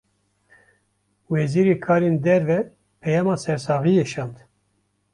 Wezîrê karên derve, peyama sersaxiyê şand